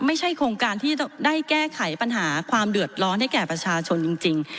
ไม่ใช่โครงการที่จะได้แก้ไขปัญหาความเดือดร้อนให้แก่ประชาชนจริง